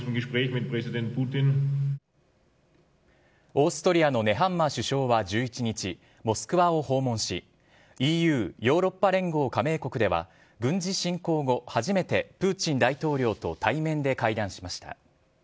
オーストリアのネハンマー首相は１１日、モスクワを訪問し、ＥＵ・ヨーロッパ連合加盟国では軍事侵攻後初めてプーチン大統領と対面で会談しました。